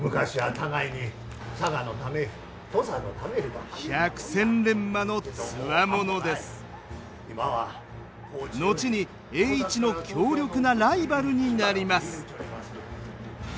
後に栄一の強力なライバルになります。